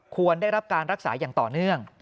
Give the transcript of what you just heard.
ควรได้รับการรักษาอย่างต่อเนื่อง